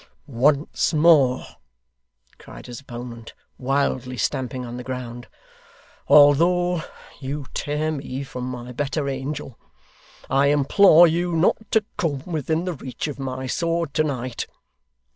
'Once more,' cried his opponent, wildly stamping on the ground, 'although you tear me from my better angel, I implore you not to come within the reach of my sword to night.